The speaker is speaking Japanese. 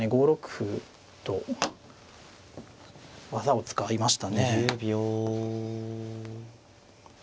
５六歩と技を使いましたね。